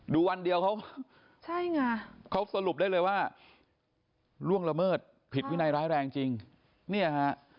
วันเดียวเขาใช่ไงเขาสรุปได้เลยว่าล่วงละเมิดผิดวินัยร้ายแรงจริงเนี่ยฮะ